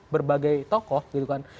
berbagai tokoh gitu kan